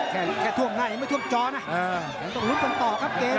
แค่ท่วมหน้าอีกไม่ท่วมจอนะต้องลุกกันต่อครับเกณฑ์